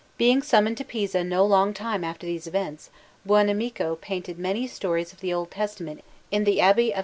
Being summoned to Pisa no long time after these events, Buonamico painted many stories of the Old Testament in the Abbey of S.